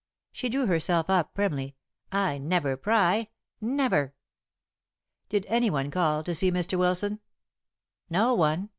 She drew herself up primly. "I never pry never." "Did any one call to see Mr. Wilson?" "No one.